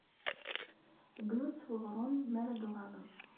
Glud-s s uɣrum mi ara d-tuɣaleḍ.